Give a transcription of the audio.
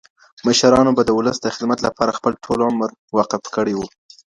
مشرانو به د ولس د خدمت لپاره خپل ټول عمر وقف کړی و.